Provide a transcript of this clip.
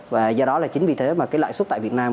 và do đó là chính vì thế mà cái lãi suất tại việt nam